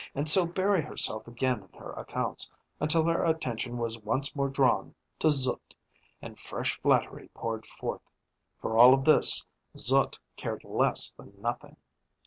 and so bury herself again in her accounts, until her attention was once more drawn to Zut, and fresh flattery poured forth. For all of this Zut cared less than nothing.